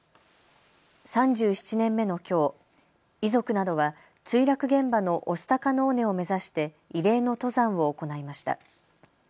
３７年目のきょう、遺族などは墜落現場の御巣鷹の尾根を目指して慰霊の登山を行いました。